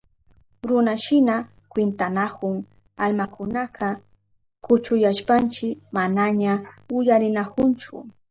Runashina kwintanahun almakunaka, kuchuyashpanchi manaña uyarinahunchu.